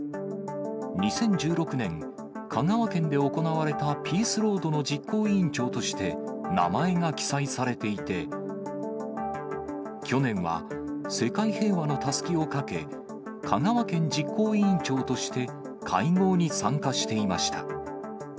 ２０１６年、香川県で行われたピースロードの実行委員長として、名前が記載されていて、去年は、世界平和のたすきをかけ、香川県実行委員長として、会合に参加していました。